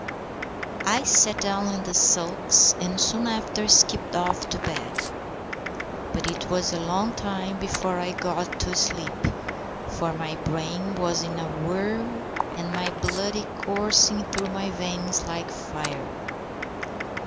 I sat down in the sulks, and soon after skipped off to bed; but it was a long time before I got to sleep, for my brain was in a whirl, and my blood coursing through my veins like fire.